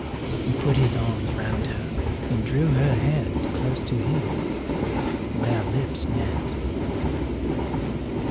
He put his arms around her and drew her head close to his. Their lips met.